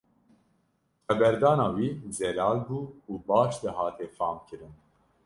Xeberdana wî zelal bû û baş dihate famkirin.